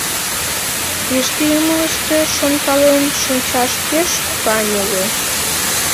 Тыште ӱмылыштӧ шонкален шинчаш пеш каньыле.